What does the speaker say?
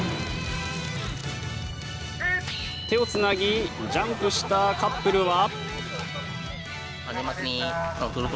手をつなぎ、ジャンプしたカップルは。